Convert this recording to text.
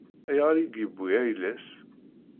Ayɣer i yewwi ayla-s?